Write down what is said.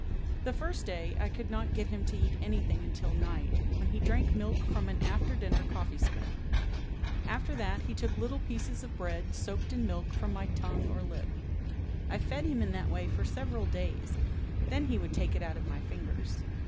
The first day I could not get him to eat anything until night, when he drank milk from an after dinner coffee spoon. After that he took little pieces of bread soaked in milk from my tongue or lip. I fed him in that way for several days, then he would take it out of my fingers.